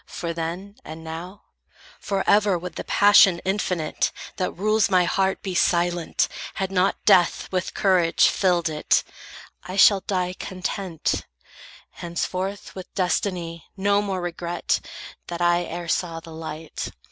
For then, and now, Forever would the passion infinite, That rules my heart, be silent, had not death With courage filled it. I shall die content; Henceforth, with destiny, no more regret That I e'er saw the light.